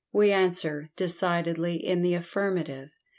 We answer, decidedly, in the affirmative.